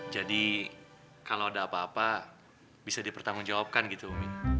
jadi kalau ada apa apa bisa dipertanggungjawabkan gitu umi